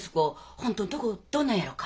本当んとこどうなんやろか。